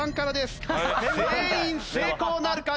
全員成功なるか？